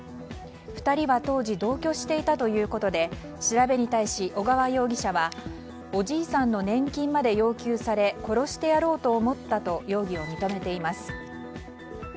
２人は当時、同居していたということで調べに対し、小川容疑者はおじいさんの年金まで要求され殺してやろうと思ったと容疑を認めています。